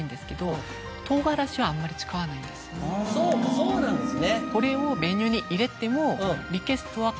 そうなんですね。